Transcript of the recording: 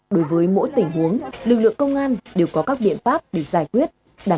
đối với mỗi tình huống lực lượng công an đều có các biện pháp để giải quyết